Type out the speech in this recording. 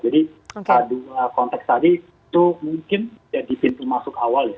jadi dua konteks tadi itu mungkin jadi pintu masuk awal ya